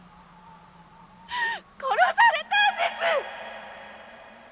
殺されたんです！